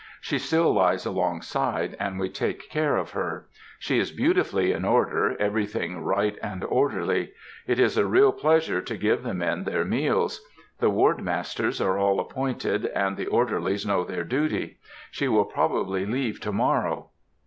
She still lies along side, and we take care of her. She is beautifully in order; everything right and orderly. It is a real pleasure to give the men their meals. The ward masters are all appointed, and the orderlies know their duty. She will probably leave to morrow....